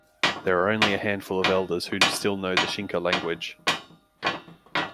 There are only a handful of elders who still know the Xinca language.